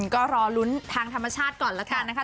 ก็รอลุ้นทางธรรมชาติก่อนแล้วกันนะคะ